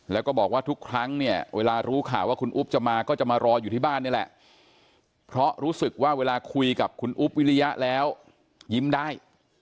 ดีใจค่ะคนที่มาหลายครั้งแม่เชื่อว่าเขามาด้วยความจริงใจ